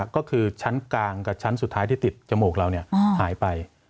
ก็คือชั้นกลางกับชั้นสุดท้ายที่ติดจมูกเราหายไป